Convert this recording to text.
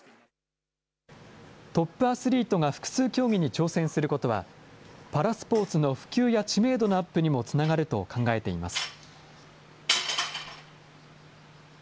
トップアスリートが複数競技に挑戦することは、パラスポーツの普及や知名度のアップにもつながると考えています。